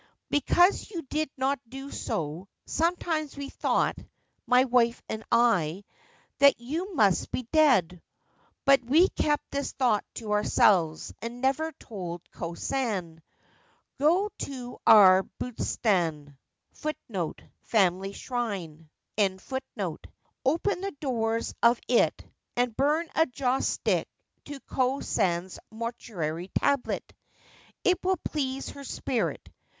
Because you did not do so, sometimes we thought, my wife and I, that you must be dead ; but we kept this thought to ourselves, and never told Ko San. Go to our Butsudan ; l open the doors of it, and burn a joss stick to Ko San's mortuary tablet. It will please her spirit.